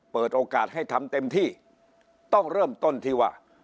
เปิดโอกาสให้ทำเต็มที่ต้องเริ่มต้นที่ว่า